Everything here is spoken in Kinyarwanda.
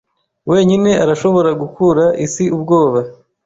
Wenyine arashobora gukura Isi ubwoba